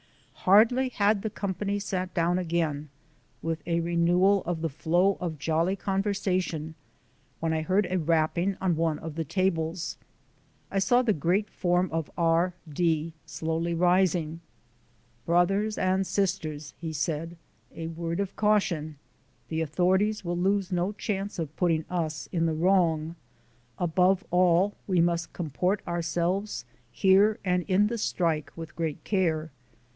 Hardly had the company sat down again, with a renewal of the flow of jolly conversation When I heard a rapping on one of the tables. I saw the great form of R D slowly rising. "Brothers and sisters," he said, "a word of caution. The authorities will lose no chance of putting us in the wrong. Above all we must comport ourselves here and in the strike with great care.